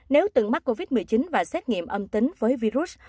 nếu từng mắc covid một mươi chín và xét nghiệm âm tính với virus